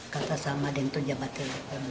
kata sama dia itu jawab telepon